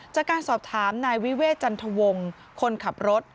จากการสอบถามนายวิเวศจันทวงคนขับรถ